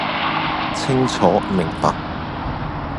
清楚明白